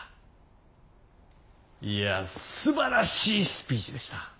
いやすばらしいスピーチでした。